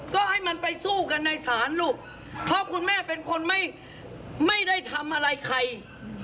ก็ให้มันไปสู้กันในศาลลูกเพราะคุณแม่เป็นคนไม่ไม่ได้ทำอะไรใคร